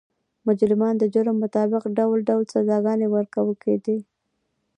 مجرمانو ته د جرم مطابق ډول ډول سزاګانې ورکول کېدې.